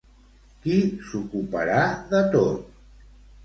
Qui s'ocuparà de tot?